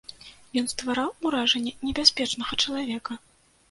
Ён ствараў уражанне небяспечнага чалавека?